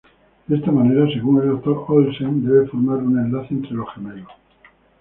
De esta manera, según el Dr. Olsen, debe formar un enlace entre los gemelos.